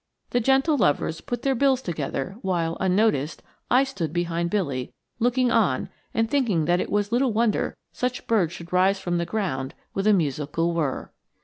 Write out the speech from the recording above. The gentle lovers put their bills together, while, unnoticed, I stood behind Billy, looking on and thinking that it was little wonder such birds should rise from the ground with a musical whirr.